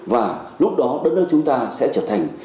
và lúc đó đất nước chúng ta sẽ trở thành